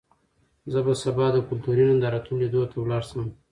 زه به سبا د کلتوري نندارتون لیدو ته لاړ شم.